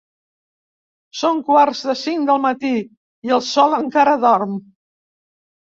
Són quarts de cinc del matí i el sol encara dorm.